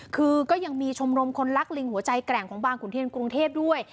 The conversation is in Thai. คือก็ยังมีชมรมคนรักลิงหัวใจแกร่งของบางขุนเทียนกรุงเทพด้วย